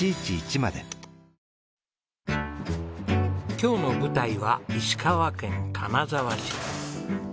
今日の舞台は石川県金沢市。